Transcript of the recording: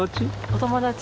お友達。